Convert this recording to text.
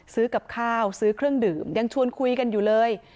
ซื้อกับข้าวซื้อเครื่องดื่มยังชวนคุยกันอยู่เลย